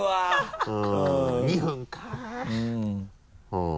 うん。